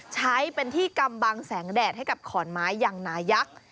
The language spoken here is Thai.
ใช้เป็นที่กำบังแสงแดดให้กับขอนไม้อย่างนายักษ์